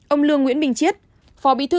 ông lương nguyễn bình chiết phó bị thư